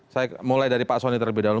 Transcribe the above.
saya mulai dari pak soni terlebih dahulu